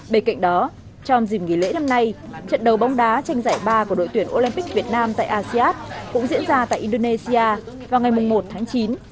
bên cạnh đó trong dìm nghỉ lễ năm nay trận đấu bóng đá tranh giải ba của đội tuyển olympic việt nam tại asean cũng diễn ra tại indonesia vào ngày một tháng chín